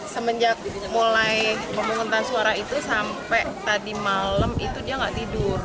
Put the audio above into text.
semenjak mulai pemungutan suara itu sampai tadi malam itu dia nggak tidur